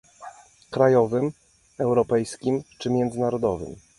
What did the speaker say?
Krajowym, europejskim czy międzynarodowym?